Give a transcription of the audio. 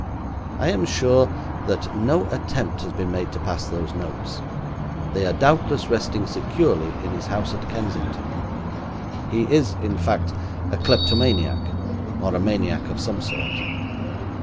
I am sure that no attempt has been made to pass those notes. They are doubtless resting securely in his house at Kensington. He is, in fact, a kleptomaniac, or a maniac of some sort.